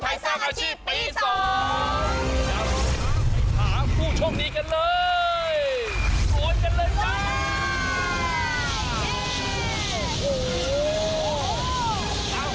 สายสักอย่าง